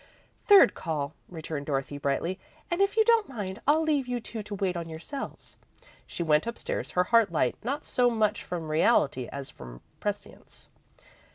"Third call," returned Dorothy, brightly, "and, if you don't mind, I'll leave you two to wait on yourselves." She went upstairs, her heart light, not so much from reality as from prescience.